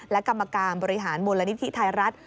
และกรรมการบริหารมูลนิธิไทยรัฐ